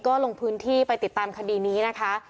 ก็ลงพื้นที่ไปติดตามคดีนี้นะคะ